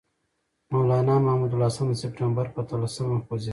مولنا محمود الحسن د سپټمبر پر اتلسمه وخوځېد.